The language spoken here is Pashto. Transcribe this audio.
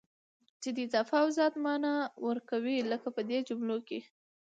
چي د اضافه او زيات مانا ور کوي، لکه په دې جملو کي: